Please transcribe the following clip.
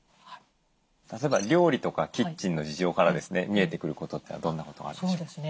例えば料理とかキッチンの事情から見えてくることってどんなことがあるんでしょう？